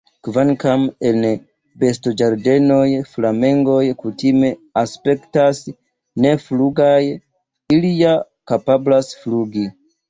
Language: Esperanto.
Kvankam en bestoĝardenoj, flamengoj kutime aspektas neflugaj, ili ja kapablas flugi.